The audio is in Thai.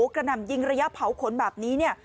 กระหนำยิงระยะเผาขนแบบนี้